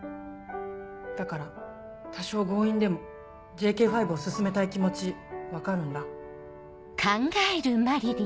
だから多少強引でもＪＫ５を進めたい気持ち分かるんだ。